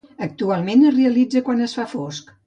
Actualment es realitza quan es fa fosc.